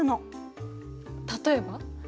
例えば？